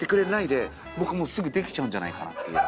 で僕もうすぐできちゃうんじゃないかなっていう。